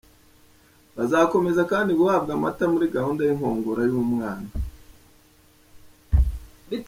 Bazakomeza kandi guhabwa amata muri gahunda y’inkongoro y’umwana.